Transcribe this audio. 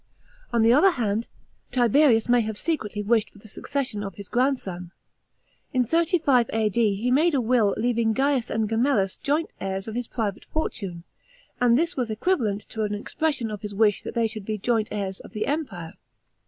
On the other hand, Tiberius may have secretly wished for the succession of his grandson. In 35 A.D. he made a will leaving Gaius and Gemellus joint heirs of his private fortune, and this was equivalent to an expression of his wish that they should be joint heirs of the Empire.